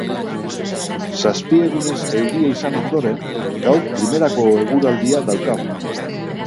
Zazpi egunez euria izan ondoren, gaur primerako eguraldia daukagu